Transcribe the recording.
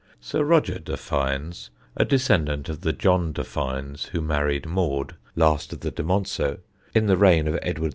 Sir Roger de Fiennes, a descendant of the John de Fiennes who married Maude, last of the de Monceux, in the reign of Edward II.